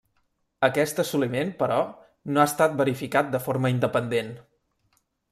Aquest assoliment, però, no ha estat verificat de forma independent.